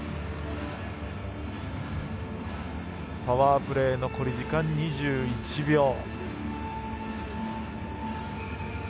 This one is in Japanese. パワープレー、残り時間２１秒。